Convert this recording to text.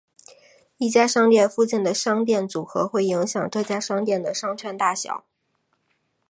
一家商店附近的商店组合会影响这家商店的商圈大小。